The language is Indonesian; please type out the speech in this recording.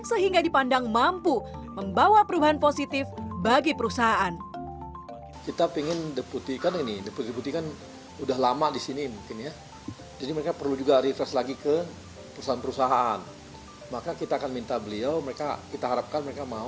sehingga dipandang mampu membawa perubahan positif bagi perusahaan